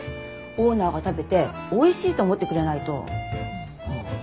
オーナーが食べておいしいと思ってくれないと。